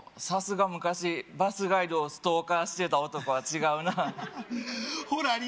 さすが昔バスガイドをストーカーしてた男は違うなほら